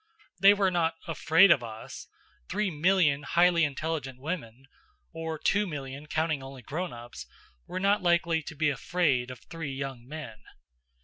They were not afraid of us three million highly intelligent women or two million, counting only grown ups were not likely to be afraid of three young men.